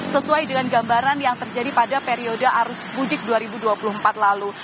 sesuai dengan gambaran yang terjadi pada periode arus mudik dua ribu dua puluh empat lalu